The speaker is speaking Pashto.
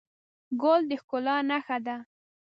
ګل د ښکلا نښه ده.